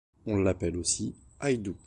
On l'appelle aussi ail doux.